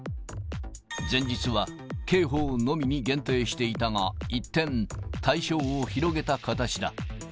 前日は刑法のみに限定していたが、一転、対象を広げた形だ。